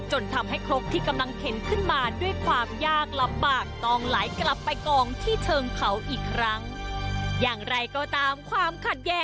จนทำให้ครกที่กำลังเข็นขึ้นมาด้วยความยากลำบาก